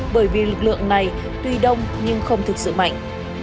bởi vì lực lượng này tuy đông nhưng không thực sự mạnh